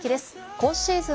今シーズン